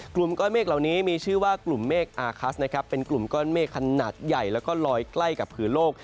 กลุ่มก้อนเมฆเหล่านี้มีชื่อว่ากลุ่มเมฆอาคัสนะครับเป็นกลุ่มก้อนเมฆขนาดใหญ่แล้วก็ลอยใกล้กับผืนโลก